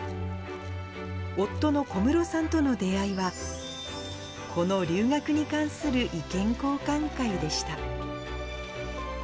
夫の小室さんとの出会いは、この留学に関する意見交換会でした。